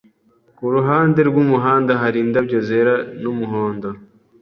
Kuruhande rw'umuhanda hari indabyo zera n'umuhondo.